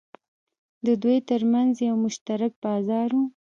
د دوی ترمنځ یو مشترک بازار و.